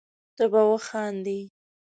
ته به وخاندي